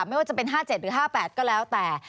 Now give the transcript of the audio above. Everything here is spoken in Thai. ไม่ว่าจะเป็น๕๗หรือ๕๘ก็แล้วแต่